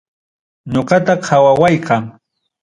Ñoqata qawawayqa.